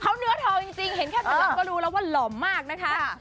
เขาเนื้อทองจริงเห็นแค่ขนมก็รู้แล้วว่าหล่อมากนะคะ